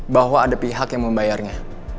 bahwa ada pihak yang membayarnya